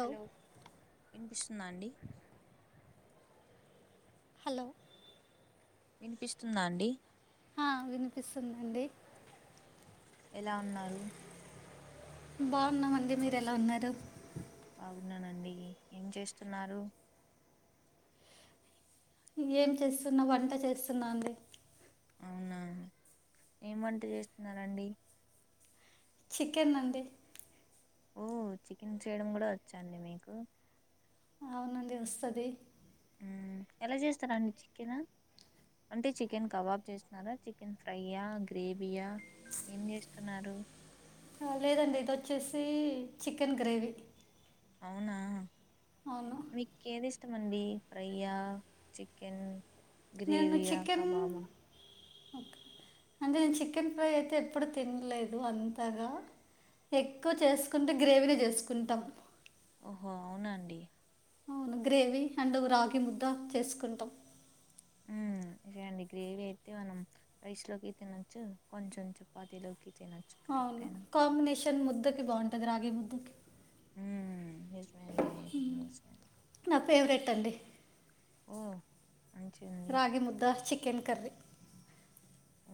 Hello వినిపిస్తుందా అండి hello వినిపిస్తుందా అండి ఆ వినిపిస్తుందండి ఎలా ఉన్నారు బాగున్నామండి మీరు ఎలా ఉన్నారు బాగున్నానండి ఏం చేస్తున్నారు ఏం చేస్తున్నా వంట చేస్తున్నా అండి అవునా ఏం వంట చేస్తున్న రండి చికెన్ అండి ఓ చికెన్ చేయడం కూడా వచ్చాండి మీకు అవునండి వస్తది ఎలా చేస్తారాండి చికెనా అంటే చికెన్ కబాబ్ చేస్తున్నారా చికెన్ ఫ్రైయా గ్రేవీయా ఏం చేస్తున్నారు లేదండి ఇది వచ్చేసి చికెన్ గ్రేవీ అవునా అవును మీకేది ఇష్టమండి ఫ్రైయా చికెన్ నేను గ్రేవయా చికెన్ కబాబా అంటే నేను చికెన్ ఫ్రై అయితే ఎప్పుడు తినలేదు అంతగా ఎక్కువ చేసుకుంటే గ్రేవీనే చేసుకుంటాం ఓహో అవునండి అవును గ్రేవీ అండ్ రాగి ముద్ద చేసుకుంటాం ఆ గ్రేవీ అయితే మనం రైస్ లోకి తినచ్చు కొంచెం చపాతలోకి అవును కాంబినేషన్ ముద్దకి బాగుంటది రాగి ముద్దకి హ్మ్ నిజమే అండి నిజమే నిజమే. నా ఫేవరెట్ అండి ఓ మంచింది అండి రాగి ముద్ద చికెన్ కర్రీ ఓ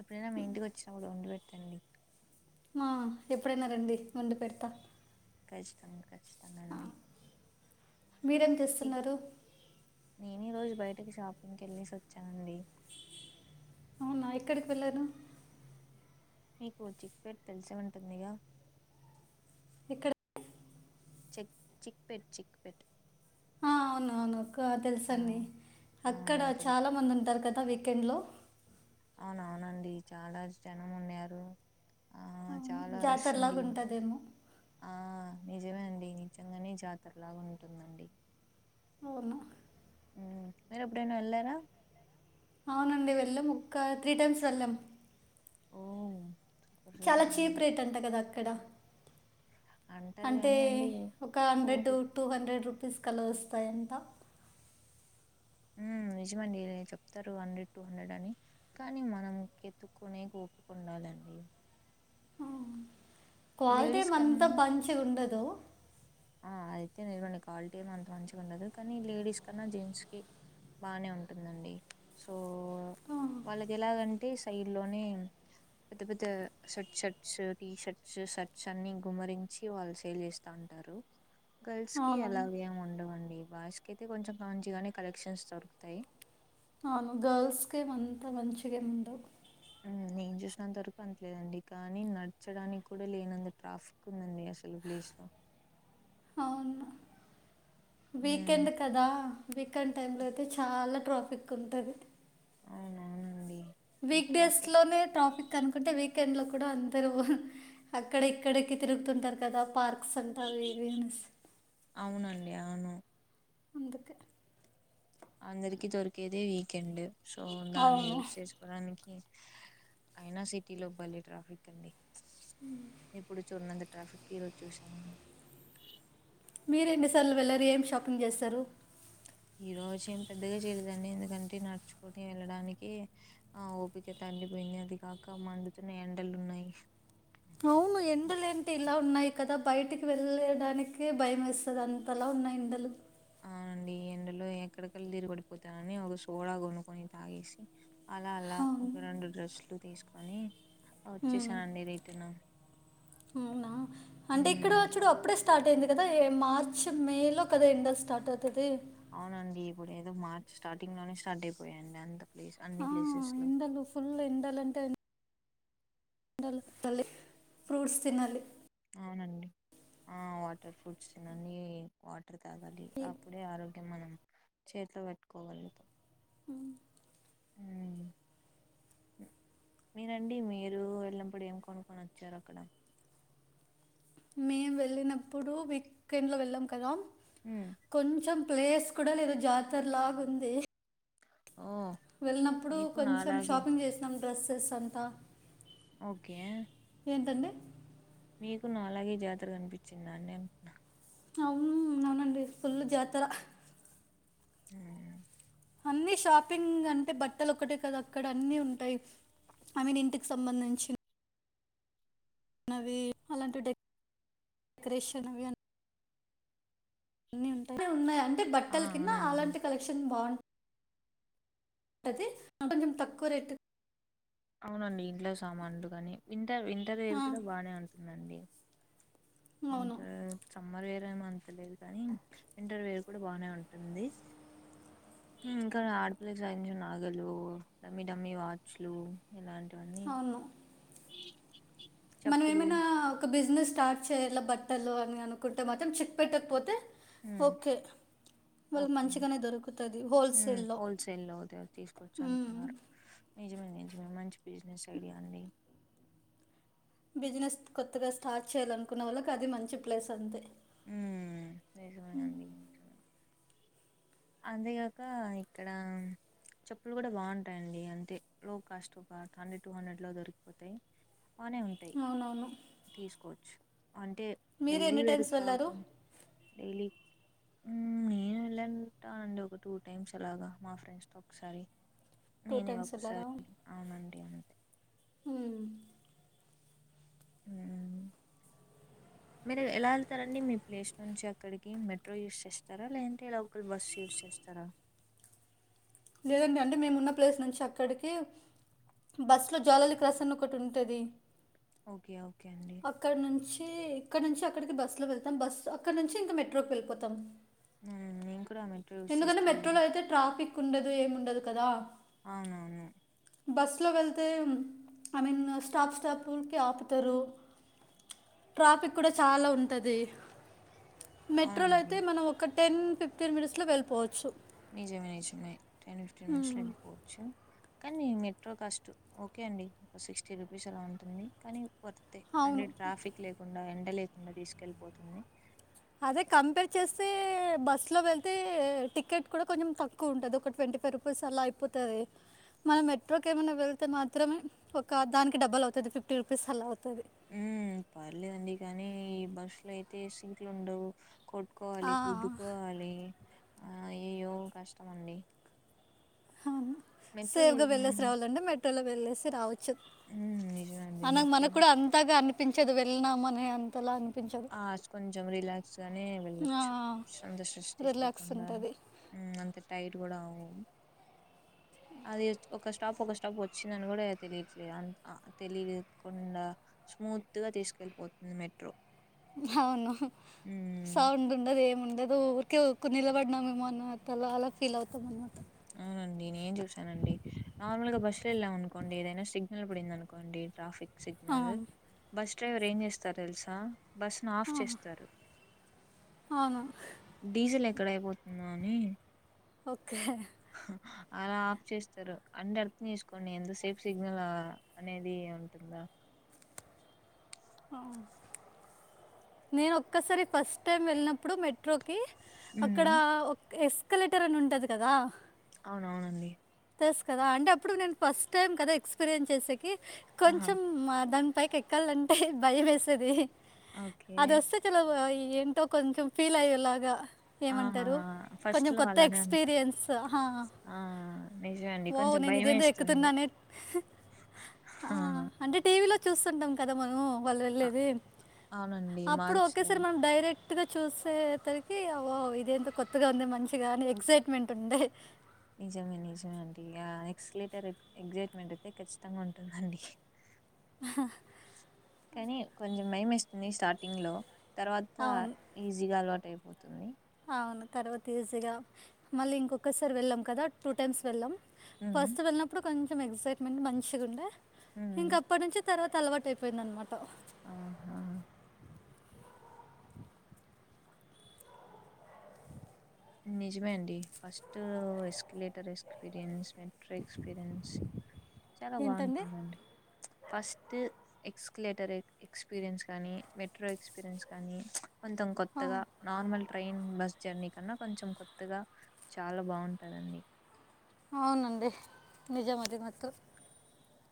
ఎప్పుడైనా మీ ఇంటికి వచ్చినా కూడా వండి పెట్టండి ఆ ఎప్పుడైనా రండి వండి పెడతా కచ్చితంగా ఆ, మీరేం ఈ- చేస్తున్నారు నేను ఈ రోజు బయటకి షాపింగ్కి వెళ్ళసి వచ్చానండి అవునా ఎక్కడికి వెళ్ళను మీకు చిక్ పేట్ తెలిసే ఉంటుందిగా ఇక్కడ చెక్ చిక్ పెట్ చిక్ పెట్ అవును అవును తెలుసండి ఆ అక్కడ కరెక్ట్ చాలా మంది ఉంటారు కదా చికెన్ లో అవునవునండి చాలా జనం ఉన్నారు ఆ అవును చాలా రష్ జాతరలాగా ఉండి ఉంటుందేమో ఆ నిజమే అండి నిజంగానే జాతరలాగా ఉంటుందండి అవును మీరు ఎప్పుడున్న వెళ్ళారా అవునండి వెళ్ళాము ఒక్క త్రీ టైమ్స్ వెళ్ళాం ఓ చాలా చీప్ రేట్ అంట కదా అక్కడ అంటారు అంటే గానీ అండి ఒక హండ్రెడ్ ఓపిక టూ హండ్రెడ్ రూపీస్ కల వస్తాయంత హ్మ్. నిజమండి చెప్తారు హండ్రెడ్ టూ హండ్రెడ్ అని కాని మనం వెతుక్కునేకి ఓపిక ఉండాలి. ఆ. క్వాలిటీ లేడీస్ ఏమ అంతా కన్నా మంచిగా ఉండదు ఆ అదయితే నిజవండి క్వాలిటీ ఏమో అంత మంచిగా ఉండదు కానీ లేడీస్ కన్నా జెంట్స్ కి బాగనే ఉంటుందండి సో ఆ. వాళ్ళకి ఎలాగంటే సైడ్ లోనే పెద్ద పెద్ద shirt shirts T shirts shirts అన్ని గుమ్మరించి వాళ్ళు సేల్ చేస్తా ఉంటారు గల్స్ కి అవును అలాగేమి ఉండవండి బాయ్స్ కయితే కొంచెం మంచిగానే కలెక్షన్స్ దొరుకుతాయి అవును గర్ల్ కి ఏం అంతా మంచిగా ఉండవు నేను చూసినంత వరకు అంతలేదండి కానీ నడచడానికి కూడా లేనంత ట్రాఫిక్ ఉందండి అసలు ప్లేస్ లో అవును ఉమ్, వీకెండ్ కదా వీకెండ్ టైమ్ లో అయితే చాలా ట్రాఫిక్ ఉంటది అవునవునండి ఈ వీక్ డేస్ ట్రాఫిక్ లోనే టాపిక్ అనుకుంటే వీకే లో కూడా అందరు అక్కడ ఎక్కడెకి తిరుగుతుంటారు కదా పార్క్ సంత [unintelligible] అవునండి అవును అందుకే అందరికి దొరికేదే వీకెండ్ సో దాన్ని అవును యూస్ చేసుకోడానికి అయినా సిటీ లో బలే ట్రాఫిక్ అండి ఏప్పుడు చూన్నంత టఫిక్ ఇడా చూసా మీరెన్నిసార్లు వెళ్లరు ఏం షాపింగ్ చేసారు ఈ రోజు ఏం పెద్దగా చేయలేదండి ఎందుకంటే నడుచుకొని వెళ్ళడానికి ఆ ఓపికత గ్గి పోయింది అది కాక మండుతున్న ఎండలు ఉన్నాయి అవును ఎండలు ఏంటి ఇలా ఉన్నాయి కదా బయటికి వెళ్ళడానికి భయం వేస్తాది అంతలా ఉన్నాయి ఎండలు అవునండి ఈ ఎండలో ఎక్కడకడ తిరి పడిపోతానని ఒక సోడా కొనుక్కొని తాగేసి అలా అలా అవును ఒక రెండు డ్రెస్లు తీసుకొని ఉమ్, వచ్చేసానండి రిటర్ను అవునా అంటే ఇక్కడ ఉమ్ వచ్చడు అప్పుడే స్టార్ట్ అయింది కదా మార్చ్ మే లో కదా ఎండలు స్టార్ట్ అవుతా అవునండి ఇప్పుడు ఏదో మార్చ్ స్టార్టింగ్ లోనే స్టార్ట్ అయిపోయాయండి అంత ప్లేస్ అన్ని ఆ ప్లేసెస్ లో ఎండలు ఫుల్ ఎండలు అంటే [inaudible] ఫ్రూట్ తినాలి అవునండి వాటర్ ఫ్రూట్స్ తినండి వా బట తాగాలి ఈ- అప్పుడే ఆరోగ్యం మనం చేతిలో పెట్టుకోగలుగుతా అవు మీరండి మీరు వెళ్ళినప్పుడు ఏం కొనుక్కొని వచ్చారు అక్కడ మేము వెళ్ళినప్పుడు వీకెండ్లో వెళ్ళాం కదా ఉమ్ కొంచెం ప్లేస్ కూడా లేదు జాతర లాగా ఉంది ఓ వెళ్ళినప్పుడు మీకు కొంచెం నాలాగే షాపింగ్ చేసినాం డ్రెస్సెస్ అంతా ఓకే ఏంటండీ మీకు నాలాగే జాతర కనిపించింద అండి అవును అవునండి ఫుల్ జాతర హూ అన్ని షాపింగ్ అంటే బట్టలు ఒక్కటే కదా అక్కడ అన్ని ఉంటాయి ఆమెను ఇంటికి సంబంధించి వి అలాంటిడె డెకరేషన్ అవి అ అన్ని ఉంటాయి అ ఉన్నాయి అంటే ఆ బట్టల కింద అవునండి అలాంటి కలెక్షన్ బాగుంటాయి అతే కొంచెం తక్కువ రేటు అవునండి ఇంట్లో సామానులు కాని వింటర్ వింటర్ ఆ, వేర్ కూడా బాగానే ఉంటుందండి అవును వింటర్ సమ్మర్ వే అంత లేదు కానీ వింటర్ వేర్ కూడా బానే ఉంటుంది ఇంకా ఆడపిల్లే సంబదించిన నాగలు డమ్మి డమ్మి వాచ్లు ఇలాంటివి అవును మనం చెప్పులు ఏమైనా ఒక బిజినెస్ స్టార్ట్ చేయాలి బట్టలు అని అనుకుంటే మాత్రం చిద్పేట కు పోతే ఉమ్ ఓకే వాళ్ళకి ఓకే మంచిగానే దొరుకుతుంది హు హోల్సేల్లో హోల్సేల్ లో ఓదార తీసుకవచ్చు అంటున్నారు నిజమే ఎంజీవ మంచి బిజినస్ అండి బిజినెస్ కొత్తగా స్టార్ట్ చేయాలనుకున్నా వాళ్ళకి అది మంచి ప్లేస్ అంతే ఉ అంతేగాక ఇక్కడ చెప్పులు కూడా బాగుంటాయండి అంతే లో కాస్ట్ కాట్ హండ్రెడ్ టూ హండ్రెడ్ లో దొరికిపోతాయి అన్నే ఉంటాయి. అవునవును తీసుకోవచ్చు అంటే మీరు డైలీ ఎన్ని వేర్ టైమ్స్ వెళ్ళారు కాకుండా డైలీ ఉమ్ నేను వెళ్ళంటునండి ఒక టూ టైమ్స్ అలాగా మా ఫ్రెండ్స్ తో ఒకసారి టూ నేనే టైమ్స్ ఒకసారి అవునండి ఉహు ఉ మీరు ఎలా వెళ్తారండి మీ ప్లేస్ నుంచి అక్కడికి మెట్రో యూస్ చేస్తారా లేదంటే లోకల్ బస్సు యూస్ చేస్ స్తర లేదండి అండి మేము ఉన్న ప్లేస్ నుంచి అక్కడికి బస్సులో జాలాల్ క్రాస్ అని ఒకటి ఉంటాది ఓకే. ఓకే అండి. అక్కడ నుంచి ఇక్కడ నుంచి అక్కడికి బస్ లో వెళ్తాం బస్ అక్కడ నుంచి ఇంకా మెట్రోకి వెళిపోతాం ఊ ఇం ఎందుకంటే మెట్రోలో అయితే ట్రాఫిక్ ఉండదు ఏముండదు కాదా అవునవును బస్సులో వెళ్తే ఐ మిన్ స్టాప్ స్టాపులకి ఆపుతారు. ట్రాఫిక్ కూడా చాలా ఉంటాది. మెట్రోలో అవునండి. అయితే మనం ఒక టెన్ ఫిఫ్టీన్ మినిట్స్ లో వెళ్ళిపోవచ్చు. నిజమే నిజమే టెన్ ఫిఫ్టీన్ మినిట్స్ ఉమ్, లో వెళ్ళిపోవచ్చు కానీ మెట్రో కాస్ట్ ఓకే అండి ఒక సిక్స్టీ రూపీస్ అలా ఉంటుంది కానీ వర్తే అవును అంటే ట్రాఫిక్ లేకుండా ఎండ లేకుండా తీసుకెళ్ళిపోతుంది. అదే కంపేర్ చేస్తే బస్ లో వెళ్తే టికెట్ కూడా కొంచెం తక్కువ ఉంటాది ఒక ట్వం టిఫోర్ అలా అయిపోతాది మనం మెట్రోకి ఏమైనా వెళ్తే మాత్రమే ఒక దానికి డబ్బల్ అవుతది ఫిఫ్టీ రూపీస్ అలా అవుతది ఉ పర్లేదండి కానీ ఈ బస్ లో అయితే సీట్లు ఉండవు కోట్ ఆ, కట్కోవాలి గుద్దుకోవాలి ఆ ఎయ్యో కష్టామండి ఆ సేవ్ గా వెళ్లేసి ఉమ్, రావాలంటే మెట్రోలో వెళ్లేేసి రావచ్ చూ ఉమ్, నిజమండి అవును మెట్రో మనకు కూడా అంతాగా అనిపించదు వెళ్ళినమా అని అంతలా అని ఆ కొంచెం రిలాక్స్ గానే ఆ, వెళ్ళొచ్చు సంతో ట్రేస్ రిలాక్స్ తీసుకోకుండా ఉంటుంది ఉ అంత టైట్ కూడా అవ్వం అది ఒక స్టాప్ ఒక స్టాప్ వచ్చిందని కూడా తెలియట్లేదు అ తెలియకుండా స్మూత్ గా తీసుకెళ్ళిపోతుంది మెట్రో అవును ఉమ్, సౌండ్ ఉండదు ఏముండదు అ ఊరికే ఉక్కు నిలబడినమే అన్న తలలా ఫీల్ అవుతాం అన్నమా అవునండి నేన్ చూసానండి నార్మల్ గా బస్సు లో వెళ్ళాం అనుకోండి ఏదైనా సిగ్నల్ పడింది అనుకోండి ట్రాఫిక్ ఆ, సిగ్నల్ బస్ డ్రైవర్ ఏం చేస్తార తెల్సా బస్సు ను ఆఫ్ చేస్తారు అవును డీజిల్ ఎక్ ఎక్కడైపోతుంద అని ఓకే అలా ఆఫ్ చేస్తారు అంటే అర్ధం చేసుకోండి ఎంత సేఫ్ సిగ్నల్ అనేది అంటందా నేను ఒక్కసారి ఫస్ట్ టైం వెళ్ళినప్పుడు మెట్రో అక్కడ ఉమ్ ఒక ఎస్కలేటర్ అని ఉంటది కదా అవునవునండి తెసు కదా అంటే అప్పుడు నేను ఫస్ట్ టైం కదా ఎక్స్పీరియన్స్ చేసేకి ఆహా కొంచెం దానికి పైకి ఎక్కాలంటే భయం వేసేది ఓకే అది వస్తే చలో ఏంటో కొంచెం ఫీల్ అయ్యేలాగా ఆహా ఏమంటారు ఫస్ట్ కొంచెం లో కొత్త అలానే ఉం ఎక్స్పీరియన్స్ హ ఆ నిజమే అండి ఓ కొంచెం నేను భయం ఇదేందో వేస్తుంది ఎక్కుతున్నానే ఆ అంటే టీవీలో చూస్తుంటాం కదా మనం వాళ్ళు అ వెళ్ళేది అవునండి అప్పుడు మార్చ్ లో ఒకేసారి మనం డైరెక్ట్ కొత్తగా చూసే తడికి అ ఇది ఎంత కొత్తగా ఉంది మంచిగా అని ఎక్సైట్మెంట్ ఉండే నిజమే నిజమే ఆ ఎక్సలటర్ ఎగ్జైట్మెంట్ అయితే ఖచ్చితంగా ఉంటుందండి హా కానీ కొంచెం భయం యేస్తుంది స్టార్టింగ్లో తర్వాత అవును ఈజీగా అలవాటు అయిపోతుంది అవును తర్వాత ఈజీగా మళ్ళీ ఇంకొక్కసారి వెళ్ళాం కదా టూ టైమ్స్ వెళ్ళం ఉమ్ ఫస్ట్ వెళ్ళినప్పుడు కొంచెం ఎగ్సైట్మెంట్ మంచిగుండె ఉమ్ ఇంక అప్ప నుంచి తర్వాత అలవాటు అయిపోయిందనమాట ఆహా నిజమే అండి first escalator experience, better experience చాలా ఏంటండి బావుటుందండి first escalator a experience కానీ మెట్రో ఎక్స్పీరియన్స్ కానీ కొంతం ఆ, కొత్తగా నార్మల్ ట్రైన్ బస్ జర్నీ, కన్నా కొంచెం కొత్తగా చాలా బావుటదండి అవునండి నిజం అది మాత్రం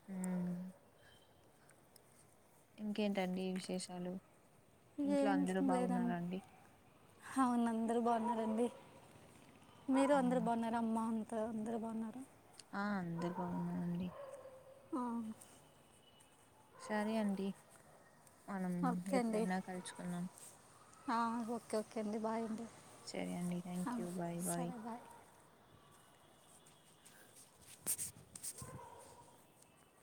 హ్మ్. ఇంకేంటండి విశేషాలు ఇంట్లో అందరూ ఏంట లేదండి బాగున్నారా అండి? అవును అందరు బావున్నారండి మీరు అందరు హ్మ్. బావున్నార అమ్మ అ అందరూ బావున్నారు ఆ అందరు బావున్నానండి ఆ సరే అండి మనం ఓకే అండి ఎప్పుడైనా కలుచుకున్నాం ఆ ఓకే ఓకే అండి బాయ్ అండి సరే అండి థ్యాంక్ ఆ, యూ బాయ్ బాయ్.